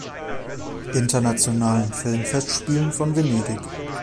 Internationalen Filmfestspielen von Venedig.